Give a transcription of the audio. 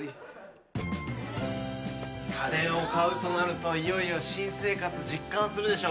家電を買うとなるといよいよ新生活実感するでしょ？